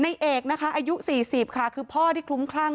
ในเอกนะคะอายุ๔๐ค่ะคือพ่อที่คลุ้มคลั่ง